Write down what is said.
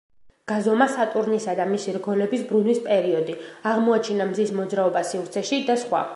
გაზომა სატურნისა და მისი რგოლების ბრუნვის პერიოდი, აღმოაჩინა მზის მოძრაობა სივრცეში და სხვა.